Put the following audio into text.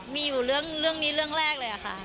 มีอยู่เรื่องนี้เรื่องแรกเลยค่ะ